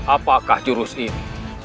apakah jurus ini